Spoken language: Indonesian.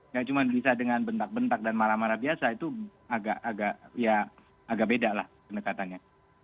ya cuma bisa dengan bentak bentak dan marah marah biasa itu agak beda lah kenekatannya